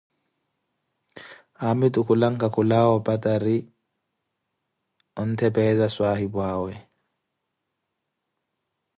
haamitu khulanka khulawa opatari ontthepeeza swaahipu awe.